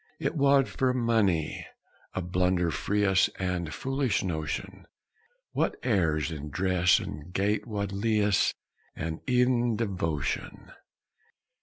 It wad frae mony a blunder free us, And foolish notion; What airs in dress an' gait wad lea'e us, And ev'n devotion!